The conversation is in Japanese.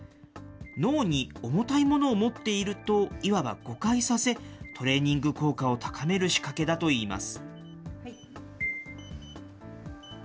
脳に重たいものを持っていると、いわば誤解させ、トレーニング効果を高める仕掛けだといいます。